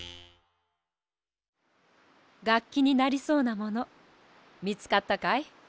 がっきになりそうなものみつかったかい？